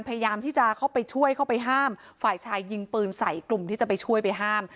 พยายามที่จะเข้าไปช่วยเข้าไปห้ามฝ่ายชายยิงปืนใส่กลุ่มที่จะไปช่วยไปห้าม